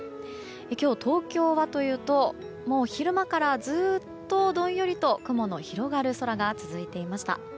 今日、東京はというと昼間からずっとどんよりと雲の広がる空が続いていました。